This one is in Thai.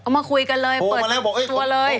มาคุยกันเลยเปิดตัวเลย